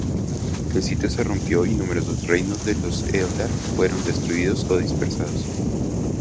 El Sitio se rompió y numerosos reinos de los Eldar fueron destruidos o dispersados.